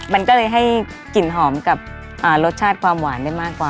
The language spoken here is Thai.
มันก็เลยให้กลิ่นหอมกับรสชาติความหวานได้มากกว่า